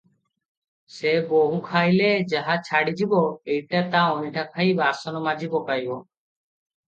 ସେ ବୋହୂ ଖାଇଲେ ଯାହା ଛାଡ଼ି ଯିବ, ଏଟା ତା ଅଇଁଠା ଖାଇ ବାସନ ମାଜି ପକାଇବ ।